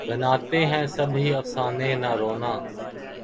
بناتے ہیں سب ہی افسانے نہ رونا